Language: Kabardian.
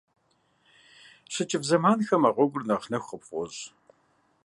ЩыкӀыфӀ зэманхэм а гъуэгур нэхъ нэху къыпфӀощӏ.